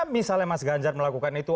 misalnya mas ganjar melakukan itu